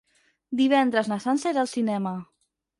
Divendres na Sança irà al cinema.